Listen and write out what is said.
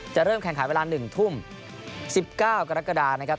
เริ่มแข่งขันเวลา๑ทุ่ม๑๙กรกฎานะครับ